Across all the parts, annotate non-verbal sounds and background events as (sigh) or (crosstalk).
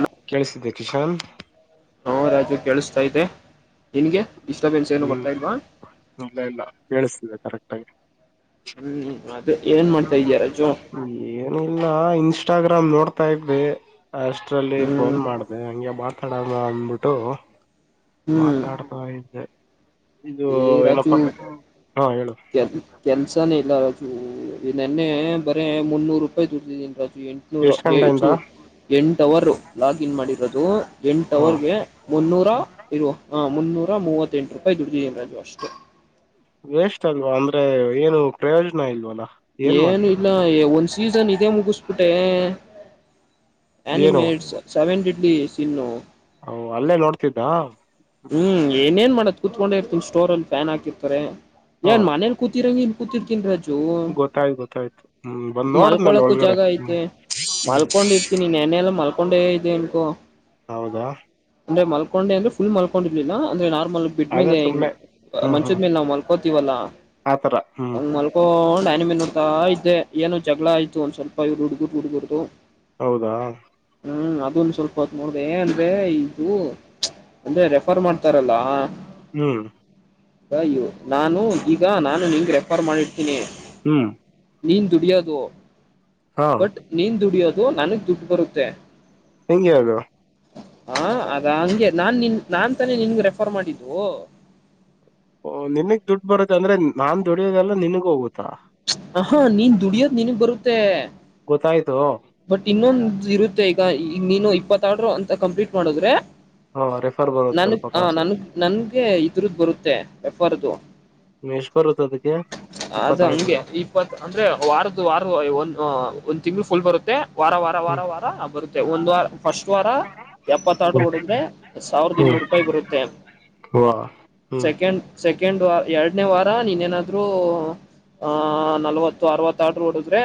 ಅಲ್ ಕೇಳಿಸತ್ತಿದ್ದಿಯಾ ಕಿಶಾನ್ ಹಾ ರಾಜು ಕೇಳಿಸತಾ ಇದ್ದೆ ನಿನ್ಗೆ ಡಿಸ್ಟರ್ಬೆನ್ಸ್ ಏನು ಹ್ಮ್ ಬರ್ತಾ ಇಲ್ವಾ. ಇಲ್ಲ ಇಲ್ಲ ಕೇಳಿಸ್ತಿದೆ ಕರೆಕ್ಟ್ ಆಗಿ. ಹ್ಮ್ ಅದ ಏನ್ ಮಾಡ್ತಾ ಇದೀಯಾ ರಾಜು. ಏನೂ ಇಲ್ಲ ಇನ್ಸ್ಟಾಗ್ರಾಮ್ ನೋಡ್ತಾ ಇದೆ. ಅಷ್ಟರಲ್ಲಿ ಹ್ಮ್ ಫೋನ್ ಮಾಡದೆ ಹಂಗೆ ಮಾತಾಡೋಣ ಅಂದ್ಬಿಟ್ಟು ಹ್ಮ್ ಮಾತಾಡ್ ತ್ತದೆ ಇದು ಏ ಏನಪ್ಪ ರಾಜು ಹಾ ಹೇಳು. ಕೆಲ್ ಕೆಲಸನೇ ಇಲ್ಲ ರಾಜು ಇ ನೆನ್ನೆ ಬರೇ ಮುನ್ನೂರು ರೂಪಾಯಿ ದುಡದ್ದೀನಿ ರಾಜು ಎಂಟು ಎಷ್ಟ್ ಎಂಟನೂರು ಗಂಟೆಯಿಂದ ತೂ ಎಂಟು ಅವರ್ ಲಾಗಿನ್ ಮಾಡಿರೋದು ಎಂಟು ಹಾ ಅವರ್ಗೆ ಮುನ್ನೂರ ಇರುವ ಹಾ ಮುನ್ನೂರ ಮೂವತ್ತೆಂಟು ರೂಪಾಯಿ ದುಡ್ಡಿದೀನಿ ರಾಜು ಅಷ್ಟೇ. ವೇಷ್ಟ ಅಲ್ವಾ ಅಂದ್ರೆ ಏನು ಪ್ರಯೋಜನ ಇಲ್ವಾಲ್ಲ. ಏನು ಇಲ್ಲ ಒಂದ್ ಸೀಸನ್ ಇದೆ ಮುಗಿಸಬಿಟ್ಟೆ. ಏನು ಎನಿಮೇಟ್ಸ್ ಸೆವೆನ್ ಡೇಸ್ ಇನ್ನು ಹೊ ಅಲ್ಲೇ ನೋಡ್ತಿದ್ದ. ಹ್ಮ್ ಏನೇನ್ ಮಾಡತ್ ಕೂತ್ಕೊಂಡೆ ಇರ್ತನಿ ಸ್ಟೋರ್ ಅಲ್ಲಿ ಫ್ಯಾನ್ ಹಾಕಿರ್ತಾರೆ. ಹಾ ಏನ್ ಮನೇಲಿ ಕೂತಿರಂಗೆ ಇಲ್ಲ್ ಕೂರ್ತೀನ್ ರಾಜು ಗೊತ್ತಾಯ್ತು ಗೊತ್ತಾಯ್ತು ಹ್ಮ್ ಬಂದ್ ನೋಡದ್ನಲ್ಲ ಮಲ್ಕೊಳಕ್ಕೂ ಒಳಗಡೆ ಜಾಗ ಹ್ಮ್ ಆಯ್ತ್.. ಹ್ಮ್ ಮಲ್ಕೊಂಡಿರ್ತೀನಿ ನೆನ್ನೆ ಎಲ್ಲಾ ಮಲ್ಕೊಂಡೆ ಇದೇ ಅನ್ಕೂ ಹೌದಾ ಅಂದ್ರೆ ಮಲ್ಕೊಂಡೆ ಅಂದ್ರೆ ಫುಲ್ ಮಲ್ಕೊಂಡಿ ಇರ್ಲಿಲ್ಲ ಅಂದ್ರೆ ನಾರ್ ಮೆಲ್ ಅದೇ ಬಿದ್ದಮೇಲೆ ಸುಮ್ನೆ ಹ್ಮ್ ಮಂಚದ ಹ್ಮ್ ಮೇಲೆ ನಾವ್ ಮಲ್ಕೋತಿವಲ್ಲ ಅಂಗ್ ಆತರ ಮಲ್ಕೊತಿವಲ್ಲ ಹ್ಮ್ ಅಂಗ್ ಮಲ್ ಕೊಂಡು ಆನಿಮಿ ನೋಡತಾ ಇದ್ದೆ ಏನೋ ಜಗಳ ಆಯ್ತು ಒಂದ್ ಸ್ವಲ್ಪ ಇವರು ಹುಡುಗುರು ಹುಡುಗರದು. ಹೌದಾ ಹ್ಮ್ ಅದನ್ ಸ್ವಲ್ಪ ಹೊತ್ ನೋಡಿದೆ ಏನ್ ಇದು ಅಂದ್ರೆ ರೆಫರ್ ಮಾಡ್ತಾರಲ್ಲ. ಹ್ಮ್ ಅಯೂ ನಾನು ಈಗ ನಾನು ನಿಂಗ್ ರೆಫರ್ ಮಾಡ್ತೀನಿ. ಹ್ಮ್ ನೀನ್ ದುಡಿಯೋದು ಹಾ ಬಟ್ ನೀನ್ ದುಡಿಯೋದು ನನಗ್ ದುಡ್ಡು ಬರುತ್ತೆ. ಹೆಂಗೆ ಅದು ಹಾ ಅದ ಹಂಗೆ ನಾನ್ ನಿನ್ ನಾನ್ ತಾನೇ ನಿನ್ಗೆ ರೆಫರ್ ಮಾಡಿದೂ. ಓ ನಿನಗ್ ದುಡ್ಡು ಬರುತ್ತೆ ಅಂದ್ರೆ ನಾನ್ ದುಡಿಯೊದೆಲ್ಲ ನಿನಗ ಹೋಗುತ್ತಾ. ಹ ಹಾ ನೀನ್ ದುಡಿಯೋದ್ ನಿನಗ್ ಬರುತ್ತೆ. ಗೊತ್ತಾಯ್ತು ಬಟ್ ಇನ್ನೊಂದ ಇರುತ್ತೆ ಈಗ ನೀನು ಇಪ್ಪತ್ ಆಡ್ರು ಅಂತ ಕಂಪ್ಲೀಟ್ ಮಾಡುದ್ರೆ. ಹಾ ರೆಫರ್ ಬರೋದು ಸ್ವಲ್ಪ ಕಾಸು. ನನ್ಗೆ ಇದ್ರದ್ದು ಬರುತ್ತೆ ರೆಫರ್ ದು. ಮೇಶ್ ಬರುತ್ತದು. ಅದು ಹಂಗೆ ಈ. ಇಪ್ಪತ್ ಅಂದ್ರೆ ವಾರದ್ ವಾರ ಒ ಒಂದ್ ತಿಂಗ್ಳು ಫುಲ್ ಬರುತ್ತೆ. ವಾರ ವಾರ ವಾರ ಹ್ಮ್ ವಾರ ಬರುತ್ತೆ ಒಂದು ವಾರ ಫಸ್ಟ್ ವಾರ. ಎಪ್ಪತ್ ಆಡ್ರು ಹ್ಮ್ ಹೊಡಿದ್ರೆ ಸಾವಿರ್ದ ಇನ್ನೂರು ರೂಪಾಯಿ ಬರುತ್ತೆ. ಹ ಹ್ಮ್ ಸೆಕೆಂಡ್ ಸೆಕೆಂಡ್ ವ ಎರಡನೇ ವಾರ ನೀನೇನಾರು ಬ್ರೋ ಆ ನಲ್ವತ್ತು ಅರವತ್ ಆಡ್ರು ಹೊಡದ್ರೆ.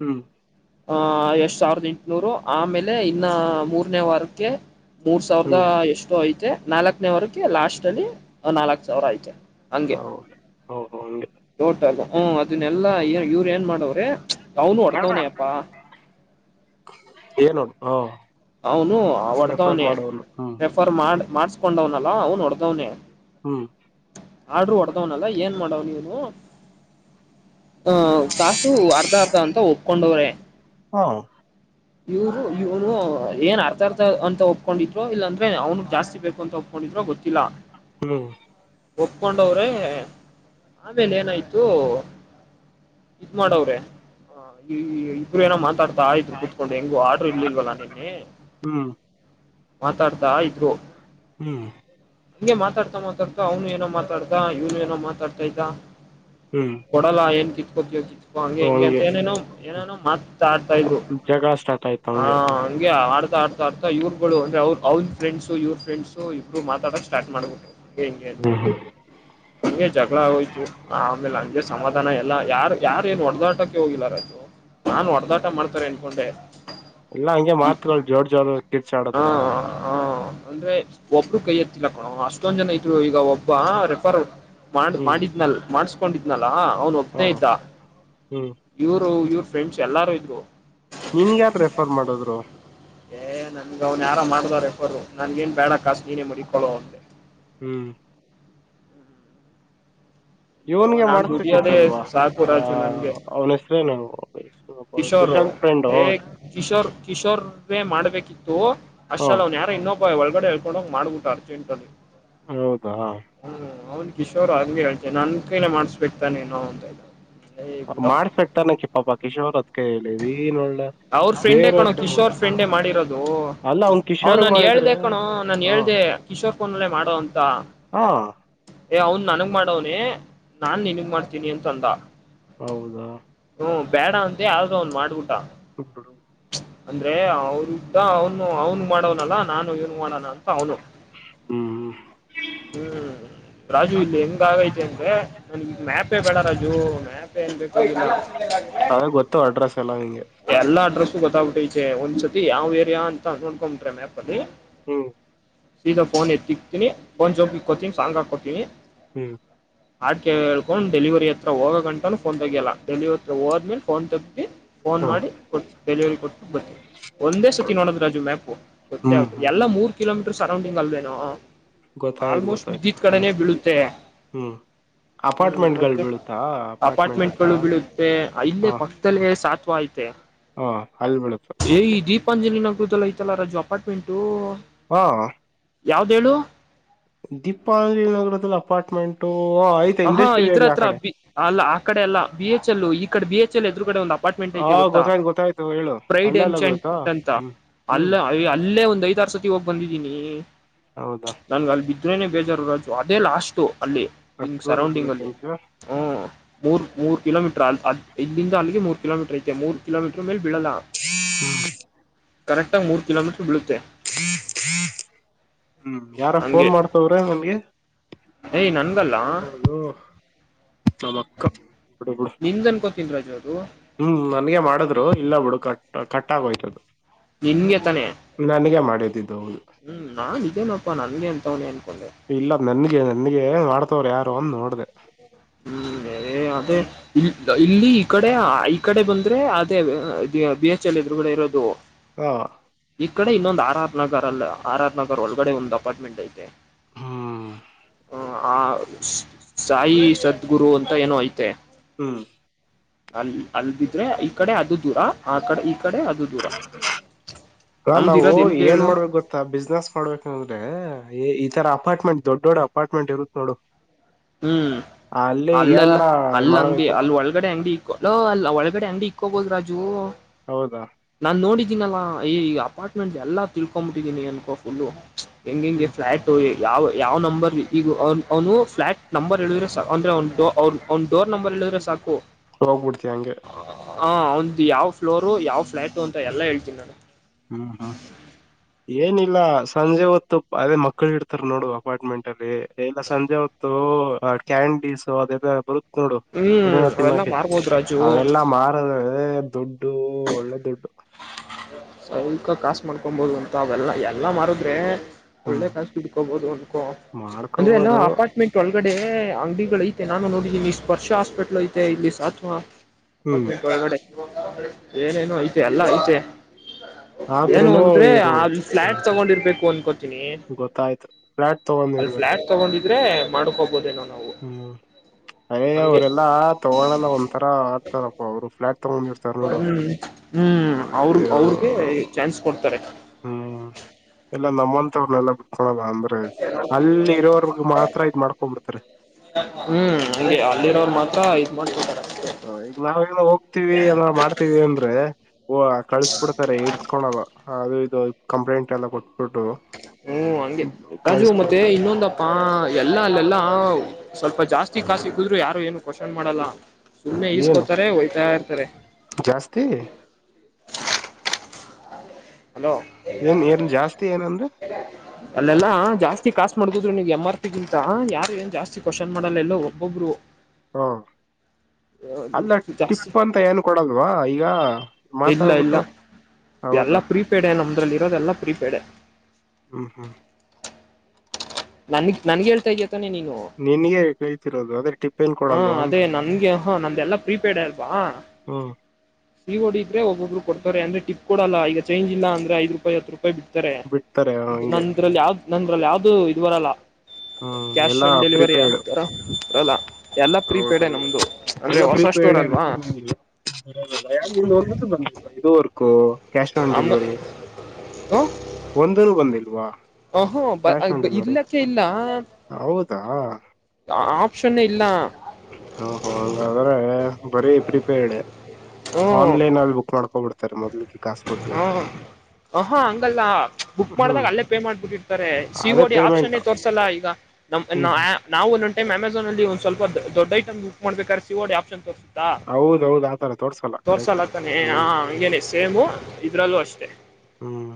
ಹ್ಮ್ ಆಹ ಎಷ್ಟ್ ಸಾವಿರದ ಎಂಟುನೂರು ಆಮೇಲೆ ಇನ್ನ ಮೂರನೇ ವಾರಕ್ಕೆ. ಮೂರ್ ಸಾವಿರದ ಹ್ಮ್ ಎಷ್ಟೋ ಐತೆ ನಾಲ್ಕನೇ ವಾರಕ್ಕೆ ಲಾಸ್ಟ್ ಅಲ್ಲಿ ನಾಲ್ಕ್ ಸಾವಿರ ಐತೆ. ಹಂಗೆ ಹೌದು ಹಂಗೆ. ಟೋಟಲ್ ಹ ಅದನ್ನೆಲ್ಲಾ ಇವ್ರ ಏನ್ ಮಾಡೋರೆ ಅವ್ನು ಹೊಡೆದವನೇ ಅಪ್ಪಾ. ಏನು ಹ. ಅವನು ರೆಫರ್ ಹೊಡದವ್ನೇ ಮಾಡೋನು ಹ್ಮ್ ರೆಫರ್ ಮಾಡ ಮಾಡ್ಸ್ಕೊಂಡವ್ನಲ್ಲ ಅವ್ನು ಹೊಡದವನೇ. ಹ್ಮ್ ಆಡ್ರು ಹೊಡದವನಲ್ಲ ಏನ್ ಮಾಡೋನೆ ಇವ್ನು. ಅಹ ಕಾಸು ಅರ್ಧ ಅರ್ಧ ಅಂತ ಒಪ್ಕೊಂಡವ್ರೆ. ಹಾ ಇವ್ರು ಇವ್ನು ಏನ್ ಅರ್ಥ ಅರ್ಥ ಅಂತ ಒಪ್ಕೊಂಡಿದ್ರು ಇಲ್ಲಾಂದ್ರೆ ಅವ್ನು ಜಾಸ್ತಿ ಬೇಕು ಅಂತ ಒ ದ್ರೊ ಗೊತ್ತಿಲ್ಲ. ಹ್ಮ್ ಒಪ್ಕೊಂಡವ್ರೆ ಆಮೇಲೆ ಏನಾಯ್ತು. ಇದ್ ಮಾಡವ್ರೆ ಇಬ್ರು ಏನೋ ಮಾತಾಡ್ತಾ ಆಯ್ತು ಕು ಹೆಂಗು ಆಡ್ರು ಇಲಿಲ್ವಲ್ಲ ಅದಿಕೆ. ಹ್ಮ್ ಹ್ಮ್ ಹಿಂಗೆ ಮಾತಾಡ್ತಾ ಮಾತಾಡ್ತಾ ಅವನು ಏನೋ ಮಾತಾಡ್ದ ಇವನು ಏನೋ ಮಾತಾಡ್ತಾ ಇದ್ದ. ಹ್ಮ್ ಕೊಡಲ್ಲ ಏನ್ ಕಿತ್ಕೊಂತಿಯೋ ಕಿತ್ಕೊ ಹಂಗೆ ಹಿಂಗೆ ಅಂತ ಏನೇನೋ ಏನೇನೋ ಮತ್ ಆಡ್ತಾ ಇದ್ರು. ತಿರುಗ ಸ್ಟಾರ್ಟ್ ಆಯ್ ಹ ಹಂಗೆ ಆಡ್ತಾ ಆಡ್ತಾ ಆಡ್ತಾ ಇವ್ರುಗಳು ಅಂದ್ರೆ ಅವರು ಅವ್ರ ಫ್ರೆಂಡ್ಸ್ ಇವ್ರ ಫ್ರೆಂಡ್ಸ್. ಇಬ್ರು ಮಾತಾಡಕ್ ಸ್ಟಾರ್ಟ್ ಮಾಡ್ಬಿಟ್ಟು ಹಂಗೆ ಹಿಂಗೆ ಅಂತ ಹ್ಮ್ ಹ್ಮ್ ಹಂಗೆ ಜಗಳ ಆಗೋಯ್ತು. ಆಮೇಲೆ ಅಂಗೆ ಸಮಾಧಾನ ಎಲ್ಲಾ ಯಾರ್ ಯಾರೇ ಏನ್ ಒಡೆದಾಟಕ್ಕೆ ಹೋಗಿದ್ದಾರೆ. ನಾನ್ ಹೊಡೆದಾಟ ಮಾಡ್ತಾರೆ ಅನ್ಕೊಂಡೆ. ಎಲ್ಲಾ ಹಂಗೆ ಮಾತ್ಗಳು ಜೋರ್ ಜೋರಗೆ ಹಾ ಕಿರ್ಚಾಡದ್ರ. ಹಾ ಅಂದ್ರೆ ಒಬ್ರು ಕೈ ಎತ್ತಿಲ್ಲ ಕಣೋ ಅಷ್ಟೊಂದ್ ಜನ ಇದ್ರು ಈಗ ಒಬ್ಬ ರೆಫರ್. ಮಾಡ ಹ್ಮ್ ಮಾಡಿದ್ನಲ್ ಮಾಡಸ್ಕೊಂಡಿದ್ನಲ್ಲ ಅವ್ನ್ ಹಾ ಒಬ್ಬನೇ ಇದ್ದ. ಹ್ಮ್ ಇವ್ರು ಇವ್ರ ಫ್ರೆಂಡ್ಸ್ ಎಲ್ಲಾರು ಇದ್ರು. ನಿನ್ ಯಾರು ರೆಫರ್ ಮಾಡದ್ರು. ನ ಅವ್ನ್ ಯಾರೋ ಮಾಡ್ದ ರೆಫರ್ ನನ್ಗೇನ್ ಬೇಡ ಕಾಸು ನೀನೇ ಮಡಿಕೊಳೋ ಅಂದೆ. ಹ್ಮ್ ಅಯ್ಯೋ ಇವನ್ಗೆ ನಾನ್ ದುಡಿಯೋದೇ ಮಾಡ್ಸ್ಬೇಕಿತ್ತಲ್ವಾ ಸಾಕು ಆ ರಾಜು ನನ್ಗೆ ಅವ್ಳ್ ಹೆಸ್ರೇನು. ದುಶ್ಯಂತ್ ಫ್ರೆಂಡೊ. ಏ ಕಿಶೋರ್ ಕಿಶೋರ್ ವೆ ಮಾಡ್ಬೇಕಿತ್ತು ಹ ಅಷ್ಟಲ್ ಅವ್ನ್ ಯಾರ ಇನ್ನೊಬ್ ಬ್ಹ ಒಳಗಡೆೇಳ್ಕೊಂಡ ಹೋಗ್ ಮಾಡಬಿಟ್ಟಾ ಅರ್ಜೆಂಟ್ ಅಲ್ಲಿ. ಹೌದಾ. ಹ್ಮ್ ಅವ್ನ್ ಕಿಶೋರ್ ಹಂಗೆ ಹೇಳ್ತ ನನ್ ಕೈಲೆ ಮಾಡ್ಸ್ಬೇಕ ತಾನೇ ಏನೋ ಅಂತಇದ್ದ. ಪಾಪಾ ಮಾಡ್ಸಾಕ್ ತಾನೆ ಕಿಪ್ಪಾಪ್ಪ ಕಿಶೋರ ಹೊತ್ ಕೈಯಲಿ ನೀನ್ ಒಳ್ಳೆ. ಅವ್ರ ಫ್ರೆಂಡೇ ಕಣೋ ಬೇರೆಯವ್ರ್ ಕೈ ಮಾಡ್ ಕಿಶೋರ್ ಫ್ರೆಂಡೇ ಮಾಡಿರೋದು ಅಲ್ಲ ಅವ್ನ್ ಅವ ಕಿಶೋರ್ಗ್ ನನ್ ಹೇಳ್ದ ಮಾಡಿದ್ರೆ ಕಣೋ ನಾನ್ ಹ ಹೇಳ್ದೆ ಕಿಶೋರ್ ಪೋನ್ ಅಲ್ಲೆ ಮಾಡು ಅಂತಾ. ಹಾ. ಏ ಅವ್ನ್ ನನ್ಗ್ ಮಾಡವ್ನನೆ ನಾನ್ ನಿನ್ಗ್ ಮಾಡ್ತೀನಿ ಅಂತ ಅಂದ. ಹೌದಾ. ಹ್ಮ ಬೇಡ ಅಂದೆ ಅದ್ರು ಅವ್ನು ಮಾಡ್ಬಿಟ್ಟಾ. (unintelligible) ಅಂದ್ರೆ ಅವರು ಅವನು ಅವನು ಮಾಡವನಲ್ಲಾ ನಾನು ಇವನ್ ಮಾಡೋಣ ಅಂತ ಅವನು. ಹ್ಮ್ ಹ್ಮ್ ರಾಜು ಇಲ್ಲಿ ಹೆಂಗ ಆಗೈತಿ ಅಂದ್ರೆ ನನ್ಗ ಇಲ್ಲಿ ಮ್ಯಾಪೆ ಬೇಡ ರಾಜು. ಮ್ಯಾ ಪೇ ಏನ್ ಬೇಕಾಗಿಲ್ಲ. ಅದೇ ಗೊತ್ತು ಅಡ್ರೆಸ್ ಎಲ್ಲ ಹಂಗೆ. ಎಲ್ಲಾ ಅಡ್ರೆಸ್ಸು ಗೊತಗ್ಬಿಟೈತೇ ಒಂದ್ಸತಿ ಯಾವ ಏರಿಯಾ ಅಂತ ನೋಡ್ಕೊಂಡ್ಂಬಿಟ್ರೆ ಮ್ಯಾಪ ಅಲ್ಲಿ ಹ್ಮ್ ಸೀದ ಫೋನ್ ಎತ್ತಿಕ್ತೀನಿ ಪೋನ್ ಜೋಬ್ ಇಕೊತೀನಿ ಸಾಂಗ್ ಹಾಕೊತೀನಿ ಹ್ಮ್ ಹ ಹಾಡ್ ಕೇಳ್ಕೊಂಡ ಡೆಲಿವರಿ ಹತ್ರ ಹೋಗಗಂಟ ಫೋನ್ ತೆಗಿಯಲ್ಲ ಡೆಲಿವರಿ ಹತ್ರ ಹೋದ್ಮೇಲೆ ಫೋನ್ ತಗ್ದಿ ಫೋನ್ ಹ್ಮ್ ಮಾಡಿ ಕೊಟ್ಟ ಡೆಲಿವರಿ ಕೊಟ್ಟು ಬರ್ತೀನಿ ಒಂದೇ ಸತಿ ನೋಡೋದ ರಾಜು ಮ್ಯಾಪು ಗೊತ್ತೇ ಹ್ಮ್ ಆಗ ಹ್ಮ್ ಎಲ್ಲಾ ಮೂರು ಕಿಲೋ ಮೀಟರ್ ಸರೌಂಡಿಂಗ್ ಅಲ್ವೇನೋ. ಗೊತ್ತಾಯ್ತು ಆಲ್ಮೋಸ್ಟ್ ಗೊತ್ತಾಯ್ತು ಬೀದಿದ್ದು ಹ್ಮ್ ಕಡೆನೆೇ ಬೀಳುತ್ತೆ. ಹ್ಮ್ ಹ್ಮ್ ಅಪಾರ್ಟ್ಮೆಂಟ್ಗಳ್ ಮತ್ತೆ. ಬೀಳುತ್ತಾ ಅಪಾರ್ಟ್ಮೆಂಟ್ ಹತ್ರ ಅಪಾರ್ಟ್ಮೆಂಟ್ಗಳು ಬೀಳುತ್ತೆ ಐಲ್ಲೇ ಹಾ ಪ ಕ್ಕದಲ್ಲಿ ಸಾತ್ವ ಆಯತೆ. ಹಾ ಅಲ್ಲಿ ಬೀಳುತ್ತಾ. ಏ ದೀಪಾಂಜಲಿ ನಗರದಲ್ಲಿ ಐತಲ್ಲಾ ರಾಜು ಅಪಾರ್ಟ್ಮೆಂಟು. ಹ್ಮ್ ಯಾವ್ದೇಳು. ದೀಪಂಜಲಿ ನಗರದಲ್ಲಿ ಅಪಾರ್ಟ್ಮೆಂಟು ಆಯ್ತಾ ಹಾ ಇಂಡಸ್ಟ್ರಿಯಲ್ ಇದ್ರ ಏರಿಯಾ ಆ ಹತ್ರ ಕಡೆ. ಬಿ ಅಲ್ಲ ಆ ಕಡೆ ಅಲ್ಲ ಬಿ ಎಚ್ ಎಲ್ ಈ ಕಡೆ ಬಿ ಎಚ್ ಎಲ್ ಎದುರು ಕಡೆ ಒಂದ್ ಅ ಅಪಾರ್ಟ್ಮೆಂಟ್ ಹಾ ಐತೆ ಗೊತ್ತಾ ಗೊತ್ತಾಯ್ತು ಗೊತ್ತಾಯ್ತು ಹೇಳು ಪ್ರೈಡ್ ಅಲ್ಲೆಲ್ಲ ಬೀಳುತ್ತಾ ಏನ್ಜೈಂಟ್ ಅಂತ ಹ್ಮ್ ಹ್ಮ್ ಅಲ್ಲ ಅಲ್ಲೇ ಒಂದು ಐದಾ ಆರ್ ಸತಿ ಹೋಗ್ ಬಂದಿದ್ದೀನಿ. ಹೌದಾ. ನನ್ಗೆ ಅಲ್ಲಿ ಇದ್ರೇನೆ ಬೇಜಾರು ರಾಜು ಅದೇ ಲಾಸ್ಟು ಅಲ್ಲಿ ಅಷ್ಟು ಹಿಂಗ್ ದೂರ ಸರೌಂಡಿಂಗ್ ಬೀಳುತ್ತೆ ಅಲ್ಲಿ ಅಂತೀಯ ಹ. ಮೂರ್ ಮೂರು ಕಿಲೋಮೀಟರ್ ಅಲ್ ಅಲ್ ಇಲ್ಲಿಂದ ಅಲ್ಲಿಗೆ ಮೂರು ಕಿಲೋಮೀಟರ್ ಐತೆ ಮೂರ್ ಕಿಲೋಮೀಟರ್ ಮೇಲೆ ಬಿಳಲ್ಲ. ಕರೆಕ್ಟಾಗಿ ಮೂರು ಕಿಲೋಮೀಟರ್ ಬೀಳುತ್ತೆ. ಹ್ಮ್ ಯಾರ ಫೋನ್ ಹಂಗೆ ಮಾಡ್ತವ್ರ ನಿನ್ಗೆ. ಏಯ್ ನನ್ಗಲ್ಲ ಯಾರಪ್ಪ ಅದು ನಮ್ಮ ಅಕ್ಕ ಬಿಡು ಬಿಡು. ನಿಂದ್ ಅನ್ಕೊಂತಿನಿ ರಾಜು ಅದು. ಹ್ಮ್ ನನ್ಗೆ ಮಾಡಿದ್ರು ಇಲ್ಲ ಬಿಡು ಕಟ್ ಕಟ್ ಆಗೋಯ್ತು ಅದು. ನಿಂಗೆ ತಾನೆ. ನನಗೆ ಮಾಡಿದ್ದಿದ್ದ ಹೌದು. ಹ್ಮ್ ನಾನ್ ಇದೇನಪ್ಪಾ ನನ್ಗೆ ಅಂತವನೆ ಅನ್ಕೊಂಡೆ. ಇಲ್ಲ ನನ್ಗೆ ನನ್ಗೆ ಮಾಡ್ತವ್ರ ಯಾರು ಅನ್ ನೋಡ್ದೆ. ಹ್ಮ್ ಬೇರೆ ಅದೇ. ಇ ಇಲ್ಲಿ ಈ ಕಡೆ ಈ ಕಡೆ ಬಂದ್ರೆ ಅದೇ ಬಿ ಎಚ್ ಎಲ್ ಎದ್ರು ಗಡೆ ಇರೋದು. ಹಾ. ಈ ಕಡೆ ಇನ್ನೊಂದ ಆರ್ ಆರ್ ನಗರ್ ಅಲ್ಲ ಆರ್ ಆರ್ ನಗರ್ ಒಳಗಡೆ ಒಂದ್ ಅಪಾರ್ಟ್ಮೆಂಟ್ ಐತೆ. ಹ್ಮ್ ಹ ಆ ಸಾಯಿ ಸದ್ಗುರು ಅಂತ ಏನೋ ಐತೆ. ಹ್ಮ್. ಅಲ್ಲಿ ಅಲ್ದಿದ್ರೆ ಈ ಕಡೆ ಅದು ದೂರ ಆ ಕಡೆ ಈ ಕಡೆ ಅದು ದೂರ. ಹ ನಮ್ದ ನಾವು ಇರೋದ್ ಎಲ್ ಏನ್ ಹೇಳು ಮಾಡ್ಬೇಕು ಗೊತ್ತ ತ್ತ ಬಿಸ್ನೆಸ್ ಮಾಡ್ಬೇಕ ಅಂದ್ರೆ ಈ ತರ ಅಪಾರ್ಟ್ಮೆಂಟ್ ದೊಡ್ಡ ದೊಡ್ಡ ಅಪಾರ್ಟ್ಮೆಂಟ್ ಇರುತ್ ನೋಡು. ಹ್ಮ್ ಅಲ್ಲಿ ಅಲ್ಲೆಲ್ಲ ಯಾವರ ಅಲ್ಲ ಅಂಗಡಿ ಮಾಡ್ಬೇಕು ಅಲ್ಲಿ ಒಳಗಡೆ ಅಂಗಡಿ ಲ್ಲೋ ಅಲ್ಲ ಒಳಗಡೆ ಅಂಗಡಿ ಇಕ್ಕೋಬೋದು ರಾಜು. ಹೌದಾ. ನಾನ್ ನೋಡಿದ್ದೀನಲ್ಲಾ ಈ ಅಪಾರ್ಟ್ಮೆಂಟ್ ಎಲ್ಲಾ ತಿಳ್ಕೊಂಬಿಟ್ಟಿದ್ದೀನಿ ಅನ್ಕೋ ಫುಲ್ಲು. ಹೆಂಗ ಹೆಂಗೆ ಹ್ಮ್ ಫ್ಲಯಾಟ್ ಯಾವ ಯಾವ ನಂಬರ್ ಈಗ ಅವ ಅವನು ಫ್ಲ್ಲಾಟ್. ನಂಬರ್ ಹೇಳಿದ್ರೆ ಅಂದ್ರೆ ಅವ್ನ್ ಅವರ ಡೋರ್ ನಂಬರ್ ಹೇಳಿದ್ರೆ ಸಾಕು ಹೋಗ್ಬಿಡ್ತಿ ಹಂಗೆ ಹ ಅವಂದ್ ಯಾವ ಫ್ಲೋರು ಯಾವ್ ಫ್ಲಾಟು ಅಂತ ಎಲ್ಲಾ ಹೇಳ್ತೀನಿ ನಾನು. ಹ್ಮ ಹ್ಮ್. ಏನಿಲ್ಲ ಸಂಜೆ ಹೊತ್ತು ಅದೇ ಮಕ್ಕಳು ಇಡ್ತಾರ ನೋಡು ಅಪಾರ್ಟ್ಮೆಂಟ್ ಅಲ್ಲಿ ಇಲ್ಲ ಸಂಜೆ ಹೊತ್ತ ತ್ತು ಕ್ಯಾಂಡೀಸು ಅದೆ ಬರು ನೋಡು ಹ್ಮ್ ಏನನ ಅವೆಲ್ಲಾ ತಿನ್ನೋಕೆ ಮಾರ್ಬೋದು ರಾಜು ಅವೆಲ್ಲಾ ಮಾರದ ದುಡ್ಡು ಒಳ್ಳೆ ದುಡ್ಡು ಸೈಕಾಗ್ ಕಾಸ ಮಾಡ್ಕೊಬಹದು ಅಂತ ಅವೆಲ್ಲಾ ಎಲ್ಲಾ ಮಾರದ್ರೆ. ಒಳ್ಳೆ ಹ್ಮ್ ಕಾಸ್ ಬಿಡ್ಕೋಬಹುದು ಅನ್ಕೋ ಅಂದ್ರೆಲೋ ಮಾಡ್ಕೋಬೋದು ಅಪಾರ್ಟ್ಮೆಂಟ್ ಇ ಒಳಗಡೆ ಅಂಗಡಿಗಳ ಐತೆ ನಾನು ನೋಡಿದ್ದೀನಿ ಸ್ಪರ್ಶ ಹಾಸ್ಪಿಟ್ಲ್ ಐತೆ ಇಲ್ಲಿ ಸಾಥವಾ ಹ್ಮ್ ಅಪಾರ್ಟ್ಮೆಂಟ್ ಒಳಗಡೆ ಏನೇನು ಐತೆ ಎಲ್ಲ ಐತೆ ಏನು ಆದ್ರೂನು ಅಂದ್ರೆ ಇವ್ರು ಅಲ್ಲಿ ಫ್ಲಾಟ್ ಹ್ಮ್ ತಗೊಂಡಿರ್ಬೇಕು ಅನ್ಕೋತೀನಿ ಗೊತ್ತಾಯ್ತು ಫ್ಲಾಟ್ ಅಲ್ಲಿ ತಗೊಂಡಿರ್ಬೇಕು ಫ್ಲಾಟ್ ತಗೊಂಡಿದ್ರೆ ಮಾಡ್ಕಬೋದ ಏನೋ ಹ್ಮ್ ಅಯಯ್ಯ ಅವರೆಲ್ಲಾ ತಗೋಳಲ್ಲ ಒಂದಂತರ ಆಡ್ತದಪ್ಪ ಅವರು ಫ್ಲಾಟ್ ತಗೊಂಡಿರ್ತಾರ ನೋಡು ಹ್ಮ್ ಹ್ಮ್ ಅವ್ರ ಅಯ್ಯೋ ಅವ್ರಗೆ ಚಾನ್ಸ್ ಕೊಡ್ತಾರೆ. ಹ್ಮ್ ಇಲ್ಲ ನಮ್ಮಂತವ್ರನ್ನೆಲ್ಲಾ ಬಿಟ್ಕೊಳಲ್ಲ ಅಂದ್ರ ಅಲ್ಲಿ ಇರೋವರ್ಗ್ ಮಾತ್ರ ಇದ್ ಮಾಡ್ಕೊಂಡ್ ಬಿಡ್ತಾರೆ. ಹ್ಮ್ ಅಲ್ಲಿ ಅಲ್ಲಿರೋವರು ಮಾತ್ರ ಇದ್ ಮಾಡ್ಕೊಡ್ತಾರ. ಹ ಈಗ ನಾವ ಏನ ಹೋಗ್ತೀವಿ ಏನ ಮಾಡ್ತೀವಿ ಅಂದ್ರೆ ಓ ಕಳ್ಸ್ಬಿಡ್ತಾರೆ ಇರ್ಸ್ಕೊಳದ ಅದು ಇದು ಕಂಪ್ಲೇಂಟ್ ಎಲ್ಲ ಕೊಟ್ಬಿಟ್ಟು. ಹ್ಮ್ ಹಂಗೆ ರಾಜು ಮತ್ತೆ ಕಳ್ಸ್ಬಿಡ್ತಾರೆ ಇನ್ನೊಂದ ಪ್ಪಾ ಎಲ್ಲ ಅಲ್ಲೆಲ್ಲ ಸ್ವಲ್ಪ ಜಾಸ್ತಿ ಕಾಸಿಗುದ್ರು ಯಾರು ಏನು ಕ್ವಶನ್ ಮಾಡಲ್ಲ ಸುಮ್ಮ್ನೆ ಏನು ಈಸ್ಕೋತಾರೆ ಒಯ್ತಾ ಇರ್ತಾರೆ. ಜಾಸ್ತಿ ಹಲೋ. ಏನ್ ಏನ ಜಾಸ್ತಿ ಏನ ಅಂದೆ (inaudible) ಅಲ್ಲೆಲ್ಲಾ ಜಾಸ್ತಿ ಕಾಸ್ ಮಾಡಗುದ್ರು ನೀವ ಎಮ್ ಆರ್ ಪಿಗಿಂತ ಯಾರು ಏನ್ ಜಾಸ್ತಿ ಕ್ವಶನ ಮಾಡಲ್ಲ ಎಲ್ಲೋ ಒಬ್ಬೊಬ್ರು. ಹಾ. ಅಲ್ಲ ಜಾಸ್ತಿ ಟಿಪ್ ಅಂತ ಏನ್ ಕೊಡಲ್ವಾ ಈಗ ಮಾತಾಡ್ಬಿಟ್ಟು. ಹೌದಾ. ಪ್ರರಿಪೇಡ್ ನಮ್ದ್ರಲ್ಲಿ ಇರದೆಲ್ಲ ಪ್ರಿರಿಪೇಡ್. ಹ್ಮ ಹ್ಮ್. ನನ್ಗ್ ನನ್ಗೆ ಹೇಳ್ತಾ ಇದ್ದತಾನೆ ನೀನು. ನಿನ್ಗೆ ಕೇಳ್ತಿರೋದು ಅದೇ ಟಿಪ್ಪೇನ್ ಹಾ ಕೊಡಲ್ವಾ ಅದೇ ಅಂತ ನನ್ಗೆ ನಂದೆಲ್ಲಾ ಪ್ರೀಪೇಡ್ ಅಲ್ವಾ. ಹ್ಮ. ಹೊಡ್ರೆ ಒಬ್ಬೊಬ್ರು ಕೊಡ್ತಾರೆ ಅಂದ್ರ ಟಿಪ್ ಕೊಡಲ್ಲ ಈಗ ಚಂಜ್ ಇಲ್ಲ ಅಂದ್ರೆ ಐದ ರೂಪಾಯಿ ಹತ್ರ ಪ್ಪ ಬಿಡ್ತಾರೆ ಬಿಡ್ತಾರೆ ಹಂಗೆ ನಂದ್ರಲ್ಲಿ ಯಾವ್ದ್ ನಂದ್ರಲ್ಲಿ ಯಾವ್ದು ಇದ ಬರಲ್ಲ ಹ್ಮ್ ಕ್ಯಾಶ್ ಎಲ್ಲಾ ಆನ್ ಡೆಲಿವರಿಯರ ಪ್ರಿಪೇರ್ಡ್ ಆತರ ಬರಲ್ಲ ಎಲ್ಲ ಪ್ರೀಪೇಡ ಹೌದೌದು ನಮ್ದು ಅಂದ್ರೆ ಎಲ್ಲ ಹೊಸ ಪ್ರೀಪೇರ್ಡ್ ಸ್ಟೋರ್ ಅಲ್ವಾ (inaudible) ಒಂದು ಬಂದಿಲ್ವಾ ಇದುವರಿಗೂ ಕ್ಯಾಶ್ ಆನ್ ಆಮ ಡೆಲಿವರಿ ಒಂದುನು ಬಂದಿಲ್ವಾ ಅಹೋ ಬ ಕ್ಯಾಶ್ ಆನ್ ಡೆಲಿವರಿ ಇಲ್ಲಕ್ಕೆ ಇಲ್ಲ ಹೌದಾ. ಆಪ್ಷನ್ ಇಲ್ಲ. ಹ ಹ ಹಂಗಾದ್ರೆ ಬರೀ ಪ್ರಿಪೇರ್ಡ್ ಹ್ಮ ಆನ್ಲೈನ್ ಅಲ್ಲಿ ಬುಕ್ ಮಾಡ್ಕೊಬಿಡ್ ರ ಮೊದ್ಲಕ್ಕೆ ಕಾಸ ಕೊಟ್ಟಿ ಹ ಹಾ ಹಂಗಲ್ಲ ಬುಕ್ ಮಾಡಿದಾಗ ಹ್ಮ್ ಅಲ್ಲೇ ಪೇ ಮಾಡ್ಬಿಟ್ಟಿರ್ತಾರೆ ಸಿ ಓ ಅದೇ ಡಿ ಪೇಮೆಂಟ್ ಆಪ್ಷನ ತೋರ್ಸಲ್ಲ ಈಗ ನಮ್ ಹ್ಮ್ ನ ಹ್ಮ್ ನಾವು ಒಂದ್ ಟೈಮ ಅಮಝಾನ ಅಲ್ಲಿ ಒಂದ್ ಸ್ವಲ್ಪ ದೊಡ್ ಐಟ್ ಬುಕ ಮಾಡ್ಬೇಕಾದ್ರೆ ಸಿ ಓ ಡಿ ಆಪ್ಷನ್ ತೋ ತ್ತ ಹೌದೌದು ಆತರ ತೋರ್ಸಲ್ಲ ಕರೆಕ್ಟ್ ತೋರ್ಸಲ್ಲತ್ತಾನೆ ಹ ಹ್ಮ್ ಹಂಗೇನೆ ಸೇಮು ಇದ್ರಲ್ಲೂ ಅಷ್ಟೆ. ಹ್ಮ್.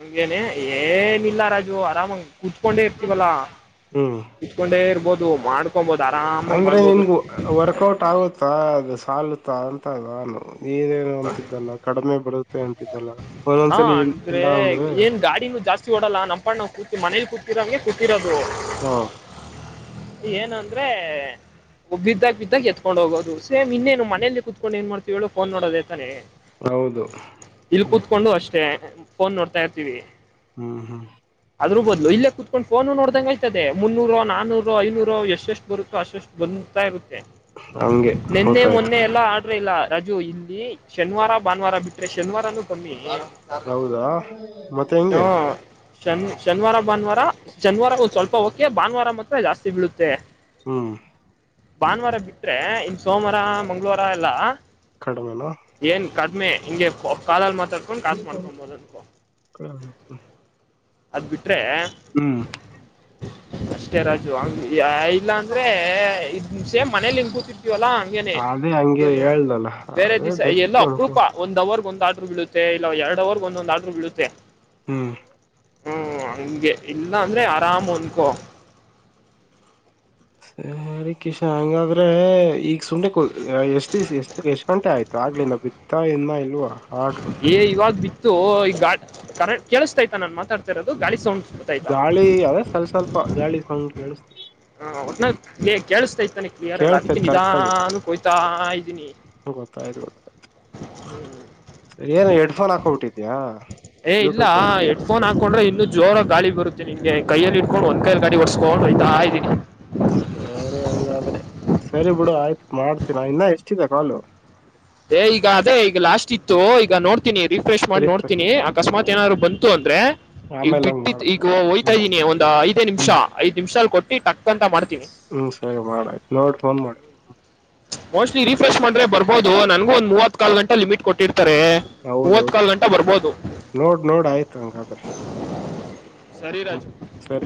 ಹಂಗೆನೇ ಏನಿಲ್ಲ ರಾಜು ಆರಾಮಂಗ ಕೂತ್ಕೊಂಡೆ ಇರ್ತವಲ್ಲ. ಹ್ಮ್ ಇತ್ಕೊಂಡೇ ಇರ್ಬೋದು ಮಾಡ ಹಕೊಬೋದ ಅರಾಮ್ ಅಂದ್ರೆ ನಿಮಗ ವರ್ಕೌಟ್ ಆಗುತ್ತಾ ಅದು ಸಾಲುತ್ತಾ ಅಂತದ ನಾನು. ಅಂತಿದ್ದಲ್ಲ ಕಡಿಮೆ ಬರುತ್ತೆ ಅಂತಿದ್ದಲ್ಲ ಹ ಒಂದೊಂದ್ಸಲ ಇ ಇಲ್ಲ ಅಂದ್ರೆ ಕಿ ಡಲ್ಲ ನಪಣ್ಣ್ ಕೂತಿ ಮೇಲಿ ಕೂತಿರವಂಗೆ ಕೂತಿರೋದು. ಹ. ಏನ ಅಂದ್ರೆ ಒಬ್ ಬಿದ್ದಾಗ ಬಿದ್ದಾಗ ಎತ್ಕೊಂಡ ಹೋಗೋದು ಸೇಮ್ ಇನ್ನೇನು ಮನೆಯಲ್ಲಿಲಿ ಕುತ್ಕೊಂಡು ಏನ್ ಮಾಡ್ತವಿ ಹೇಳ ಫೋನ್ ನೋಡೊದೇತಾನೆ. ಹೌದು ಇಲ್ಲ ಹ್ಮ್ ಕುತ್ಕೊಂಡು ಅಷ್ಟೇ ಫೋನ್ ನೋಡ್ತಾ ಇರ್ತೀವಿ. ಹ್ಮ್ ಹ್ಮ್. ಅದೂ ಬದ್ಲು ಇಲ್ಲೇ ಕುತ್ಕೋ ಇಕೊಂಡ್ ಫೋನು ನೋಡ್ದಂಗ ಆಯತದೆ ಮುನ್ನೂರು ನಾನೂರು ಐನೂರು ಎಷ್ಟೆಷ್ಟು ಬರುತ್ತೋ ಅಷ್ಟಷ್ಟು ಬಂದಂತಾ ಇರುತ್ತೆ. ಹಂಗೆ ನೆನ್ನೆ ಗೊತ್ತಾಯ್ತು ಮೊನ್ನೆ ಎಲ್ಲಾ ಆಡ್ರ ಇಲ್ಲ. ರಾಜು ಇಲ್ಲಿ ಶನಿವಾರ ಭಾನುವಾರ ಬಿಟ್ರೆ ಶನಿವಾರಾನೂ ಕಮ್ಮಿ (inaudible) ಹೌದಾ ಮತ್ತೆ ಹ. ಹೆಂಗೆ ಶನ್ ಶನಿವಾರ ಭಾನುವಾರ ಶನಿವಾರ ಒಂದ್ ಸ್ವಲ್ಪ ಓಕೆ ಭಾನುವಾರ ಮಾತ್ರ ಜಾಸ್ತಿ ಬೀಳುತ್ತೆ. ಹ್ಮ್. ಭಾನುವಾರ ಬಿಟ್ರೆ ಇನ್ ಸೋಮವಾರ ಮಂಗಳವಾರ ಎಲ್ಲಾ ಕಡಿಮೆನಾ ಏನ್ ಕಡಿಮೆ ಹಿಂಗೆ ಕಾಲಲ್ ಮಾತಾಡ್ಕೊಂಡು ಕಾಸು ಮಾಡ್ಕೊಂಡಬೋದ ಅನ್ಕೋ (inaudible) ಅದ ಬಿಟ್ರೆ. ಹ್ಮ್ (inaudible) ಅಷ್ಟೇ ರಾಜು ಹಂಗ ಯ ಇಲ್ಲ ಅಂದ್ರೆ ಇದ್ ಸೇಮ್ ಮನೇಲಿ ಹೆಂಗ್ ಕೂತಿರ್ತೀವಲ್ಲಾ ಅದೇ ಹಂಗೆ ಹೇಳ್ದಲ್ಲ (unintelligible) ಬೇರೆ ಅದೇ ದಿವಸ ಎಲ್ಲೋ ಬೆಸ್ಟ್ ಅನ್ಕೊ ಅಪ್ರೂಪ. ಒಂದು ಅವರ್ಗ ಒಂದು ಆರ್ಡರ್ ಬೀಳತ್ತೆ ಇಲ್ಲ ಎರಡ್ ಅವರ್ಗ ಒಂದೊಂದು ಆರ್ಡರು ಬೀಳುತ್ತೆ. ಹ್ಮ್ ಹ್ಮ ಹಂಗೆ ಇಲ್ಲ ಅಂದ್ರೆ ಆರಾಮ್ ಅಂದ್ಕೊ. ಸರಿ ಕಿಶ ಹಂಗಾದ್ರೆ ಈಗ ಸುಂಡೆ ಕೊ ಅ ಎಷ್ಟು ದಿಸ ಎಷ್ಟ ಎಷ್ಟ್ ಗಂಟೆ ಆಯ್ತು. ಆಗ್ಲಿಲ್ಲ ಬಿತ್ತ ಇನ್ನ ಇಲ್ವಾ‌. ಏ ಇವಾಗ ಬಿತ್ತು ಈ ಗಾ ಕರೆ ಕೇಳಿಸತಾಯ್ತಾ ನಾನ್ ಮಾತಾಡ್ತಾ ಇರೋದು ಗಾಳಿ ಸೌಂಡ್ ಬರ್ತಾಯ್ತಾ ಗಾಳಿ ಅದೇ ಸ್ವಲ್ ಸ್ವಲ್ಪ ಗಾಳಿ ಸೌಂಡ್ ಕೇಳಿಸತ. ಹ ಒಟ್ನಾಗ್ ಕೇಳಿಸ್ತಾ ಇತಾನೆ ಕ್ಲಿಯರ್ ಆಗ ಅದಕ್ಕೆ ಕೇಳಿಸ್ತೈತೆ ಕರೆಕ್ಟ್ ನಿಧಾನ ಕೊಯ್ತಾ ಇದ್ದೀನಿ. ಗೊತ್ತಾಯ (unintelligible) ಹ್ಮ ಸ ಏನು ಹೆಡ್ಫೋನ್ ಹಾಕೋಬಿಟ್ಟಿದಯಾ ಬ್ಲೂಟೂತ್. ಫೋನ್ ಹಾಕೊಂಡ್ರೆ ಇನ್ನು ಜೋರಗ್ ಗಾಳಿ ಬರುತ್ತೆ ನಿಂಗೆ ಕೈಯಲ್ಲಿ ಇಡ್ಕೊಂಡ್ ಒಂದ್ಕೈಲ್ ಗಾಡಿ ಓಡೆಸ್ಕೊಂಡೋಯ್ತಾ ಇದಿನಿ. ಸರಿ ಹಂಗಾದ್ರೆ ಸರಿ ಬಿಡು ಆಯ್ತು ಮಾಡ್ತೀನ ಇನ್ನ ಎಷ್ಟಿದೆ ಕಾಲು. ಏ ಈಗ ಅದೇ ಈಗ ಲಾಸ್ಟ್ ಇತ್ತು ಈಗ ನೋಡ್ತೀನಿ ರಿಫ್ರೆಶ್ ಮಾಡ್ ರಿಫ್ರೆಶ್ ನೋಡ್ತೀನಿ ಅಕಸ್ಮಾತ್ ಏನಾದ್ರು ಬಂತು ಅಂದ್ರೆ ಈಗ ಆಮೇಲೆ ಹಂಗ್ ಬಿಟ್ಟಿತ್ ಈಗ ಮಾಡಷ್ಟು ಹೊಯ್ತಾ ಹ್ಮ್ ಇದ್ದೀನಿ ಒಂದ ಐದೇ ನಿಮಿಷ. ಹ್ಮ್ ಐದ್ ನಿಮಿಷದಲ್ಲಿ ಕೊಟ್ಟಿ ಟಕ್ ಅಂತ ಮಾಡ್ತೀನಿ. ಹ್ಮ್ ಸರಿ ಮಾಡ್ ಆಯ್ತು ನೋಡ್ ಫೋನ್ ಮಾಡ. ಮೋಸ್ಟ್ಲಿ ರೀಫ್ರೆಶ್ ಮಾಡ್ರೆ ಬರ್ಬೋದು ನನ್ಗು ಒಂದ್ ಮೂವತ್ ಕಾಲ್ ಗಂಟಾ ಲಿಮಿಟ್ ಕೊಟ್ಟಿರ್ತಾರೆ. ಮೂವತ್ತ್ ಹೌದೌದು ಕಾಲ್ ಗಂಟೆ ಬರ್ಬೋದು ನೋಡ್ ನೋಡ್ ಆಯ್ತು ಹಂಗಾದ್ರೆ. ಸರಿ ಹ್ಮ್ ರಾಜು. ಸರಿ